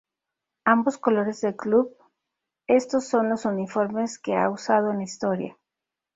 Ambos colores del club, estos son los uniformes que a usado en la historia